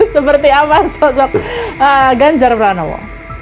seperti apa sosok ganjar pranowo